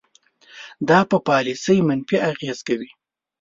دا په پالیسۍ منفي اغیز کوي.